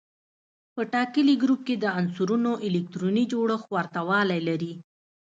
په ټاکلي ګروپ کې د عنصرونو الکتروني جوړښت ورته والی لري.